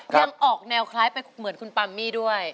ยังออกแนวคล้ายไปเหมือนคุณปามมี่ด้วย